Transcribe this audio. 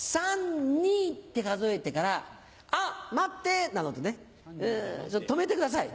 「３・２」って数えてから「あっ待って！」などと止めてください。